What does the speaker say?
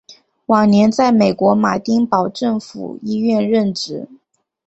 晚年在美国马丁堡政府医院任职。